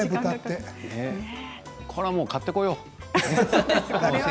これはやっぱり買ってこよう。